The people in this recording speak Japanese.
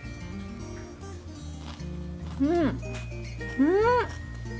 うんうん！